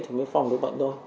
thì mới phòng được bệnh thôi